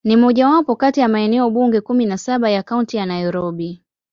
Ni mojawapo kati ya maeneo bunge kumi na saba ya Kaunti ya Nairobi.